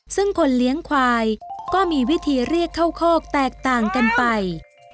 ซึ่งคนเลี้ยงควายก็มีวิธีเรียกเข้าคอกแตกต่างกันไป